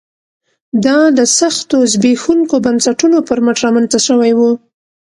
دا د سختو زبېښونکو بنسټونو پر مټ رامنځته شوی و